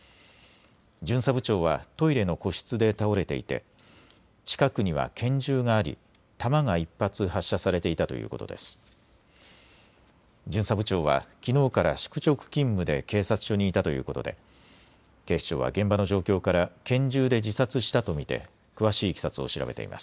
巡査部長はトイレの個室で倒れていて近くには拳銃があり弾が１発、発射されていたということです。